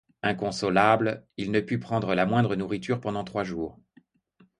Inconsolable, il ne put prendre la moindre nourriture pendant trois jours.